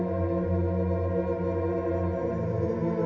tidak ada yang bisa dikira